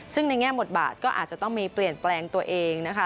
ซึ่งในแง่บทบาทก็อาจจะต้องมีเปลี่ยนแปลงตัวเองนะคะ